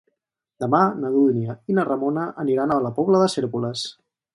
Demà na Dúnia i na Ramona aniran a la Pobla de Cérvoles.